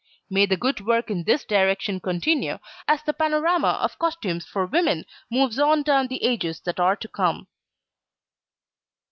May the good work in this direction continue, as the panorama of costumes for women moves on down the ages that are to come.